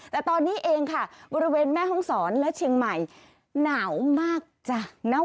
แต่ตอนนี้เองค่ะบริเวณแม่ห้องศรและเชียงใหม่หนาวมากจ้ะ